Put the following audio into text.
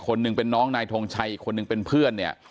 หนึ่งเป็นน้องนายทงชัยอีกคนนึงเป็นเพื่อนเนี่ย